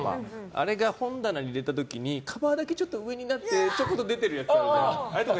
あれが本棚に入れた時にカバーだけちょっと上になってちょっと出てるやつあるじゃん。